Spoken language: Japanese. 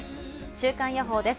週間予報です。